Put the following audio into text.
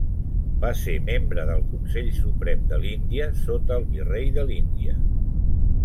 Va ser membre del Consell Suprem de l'Índia sota el virrei de l'Índia.